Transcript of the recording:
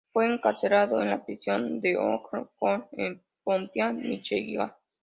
Fue encarcelado en la prisión de Oakland County, en Pontiac, Míchigan.